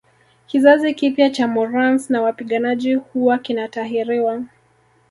Kizazi kipya cha Morans na wapiganaji huwa kinatahiriwa